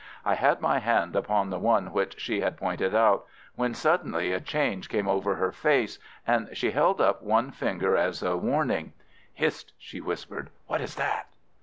I had my hand upon the one which she had pointed out, when suddenly a change came over her face, and she held up one finger as a warning. "Hist!" she whispered. "What is that?"